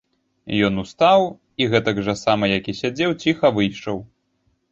Ён устаў і, гэтак жа сама як і сядзеў, ціха выйшаў.